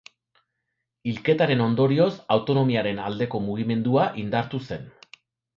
Hilketaren ondorioz autonomiaren aldeko mugimendua indartu zen.